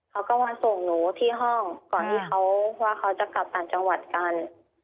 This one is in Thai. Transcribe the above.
เขาก็มาส่งหนูที่ห้องก่อนที่เขาว่าเขาจะกลับต่างจังหวัดกัน